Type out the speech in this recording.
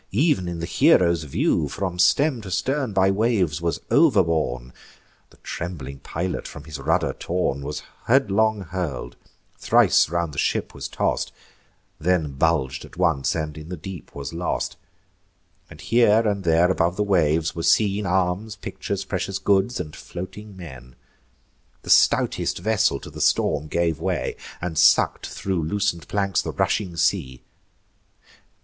ev'n in the hero's view, From stem to stern by waves was overborne: The trembling pilot, from his rudder torn, Was headlong hurl'd; thrice round the ship was toss'd, Then bulg'd at once, and in the deep was lost; And here and there above the waves were seen Arms, pictures, precious goods, and floating men. The stoutest vessel to the storm gave way, And suck'd thro' loosen'd planks the rushing sea.